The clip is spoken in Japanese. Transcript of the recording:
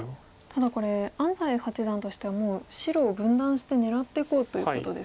ただこれ安斎八段としてはもう白を分断して狙っていこうということですか？